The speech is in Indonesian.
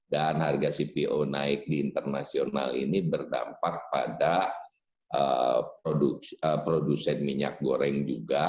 dan harga cpo naik di internasional ini berdampak pada produsen minyak goreng juga